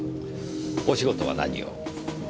お仕事は何を？